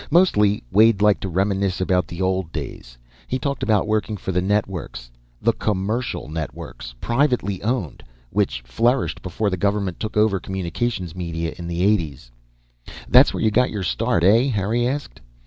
Mostly, Wade liked to reminisce about the old days. He talked about working for the networks the commercial networks, privately owned, which flourished before the government took over communications media in the '80s. "That's where you got your start, eh?" Harry asked.